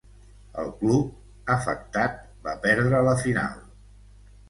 El club, afectat va perdre la final.